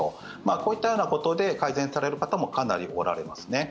こういったようなことで改善される方もかなりおられますね。